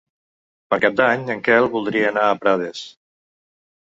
Per Cap d'Any en Quel voldria anar a Prades.